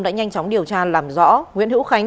đã nhanh chóng điều tra làm rõ nguyễn hữu khánh